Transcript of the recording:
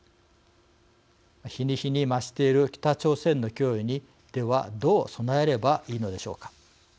日に日に増している北朝鮮の脅威にではどう備えればいいのでしょうか。